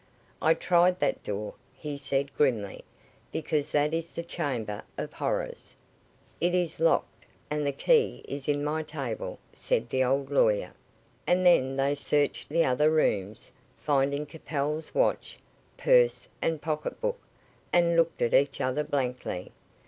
"I tried that door," he said grimly, "because that is the chamber of horrors." "It is locked, and the key is in my table," said the old lawyer, and then they searched the other rooms, finding Capel's watch, purse and pocketbook, and looked at each other blankly.